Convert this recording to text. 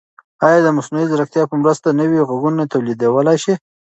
ایا د مصنوعي ځیرکتیا په مرسته نوي غږونه تولیدولای شئ؟